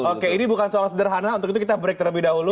oke ini bukan soal sederhana untuk itu kita break terlebih dahulu